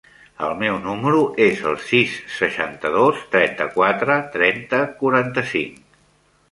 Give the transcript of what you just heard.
El meu número es el sis, seixanta-dos, trenta-quatre, trenta, quaranta-cinc.